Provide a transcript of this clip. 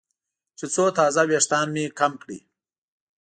چې څو تاره وېښتان مې کم کړي.